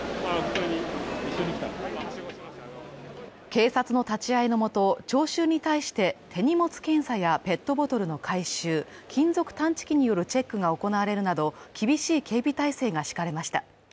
警察の立ち会いのもと、聴衆に対して手荷物検査やペットボトルの回収、金属探知機によるチェックが行われるなど、厳しい警備態勢が敷かれました。